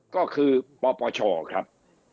ก็คือปปชครับ